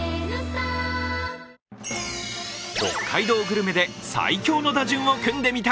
北海道グルメで最強の打順を組んでみた。